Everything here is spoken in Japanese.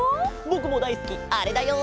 ぼくもだいすきあれだよ。